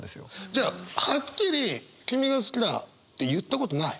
じゃあはっきり「君が好きだ」って言ったことない？